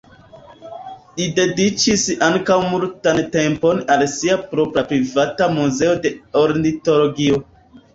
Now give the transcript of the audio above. Li dediĉis ankaŭ multan tempon al sia propra privata muzeo de ornitologio.